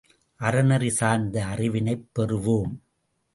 அறநெறி சார்ந்த அறிவினைப் பெறுவோம்.